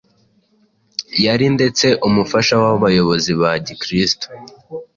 Yari ndetse umufasha w’abayobozi ba Gikristo.